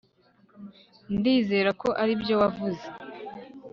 Ndizera ko aribyo wavuze